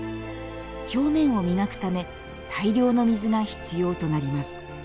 表面を磨くため大量の水が必要となります。